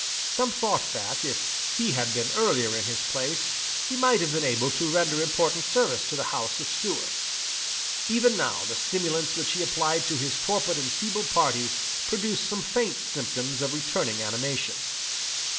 Some thought that, if he had been earlier in his place, he might have been able to render important service to the House of Stuart, Even now the stimulants which he applied to his torpid and feeble party produced some faint symptoms of returning animation.